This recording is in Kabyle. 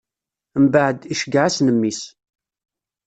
Mbeɛd, iceggeɛ-asen mmi-s.